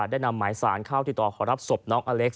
ได้นำหมายสารเข้าติดต่อขอรับศพน้องอเล็กซ